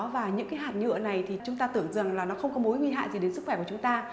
và những cái hạt nhựa này thì chúng ta tưởng rằng là nó không có mối nguy hại gì đến sức khỏe của chúng ta